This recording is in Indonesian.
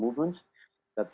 orang akan berkata